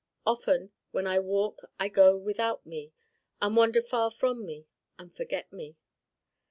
Often when I walk I go without Me, and wander far from Me, and forget Me.